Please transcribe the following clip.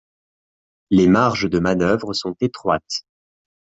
Les marges de manœuvre sont étroites.